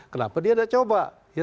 kenapa dia nggak coba